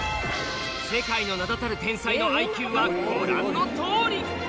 世界の名だたる天才のＩＱはご覧の通り！